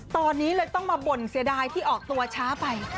ตอนนี้เลยต้องมาบ่นเสียดายที่ออกตัวช้าไป